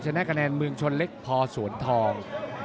ชนะกระแนนมึงชนเล็กพอศูนย์ทอง